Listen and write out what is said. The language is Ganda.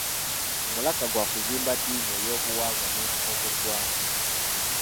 Omulaka gwa kuzimba dddiini, ebyobuwangwa n'empisa z'eggwanga.